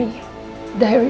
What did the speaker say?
inikapun als mandatory si